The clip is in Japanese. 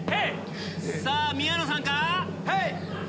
さぁ宮野さんか？